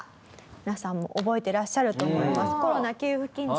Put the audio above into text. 皆さんも覚えてらっしゃると思います。